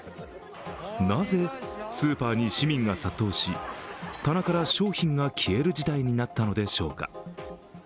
なぜスーパーに市民が殺到し、棚から商品が消える事態になったのでしょうか？